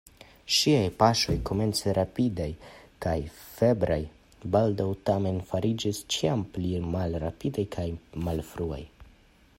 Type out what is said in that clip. Ŝiaj paŝoj, komence rapidaj kaj febraj, baldaŭ tamen fariĝis ĉiam pli malrapidaj kaj malfirmaj.